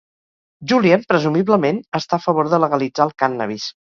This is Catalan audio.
Julian presumiblement està a favor de legalitzar el cànnabis.